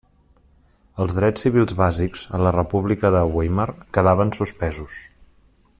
Els drets civils bàsics a la República de Weimar quedaven suspesos.